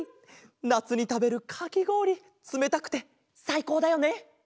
なつにたべるかきごおりつめたくてさいこうだよね。